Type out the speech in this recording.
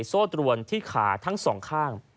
โต้ตรวนที่ขาทั้ง๒ข้าง